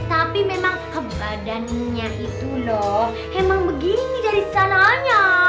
tapi memang keberadaannya itu loh emang begini dari sananya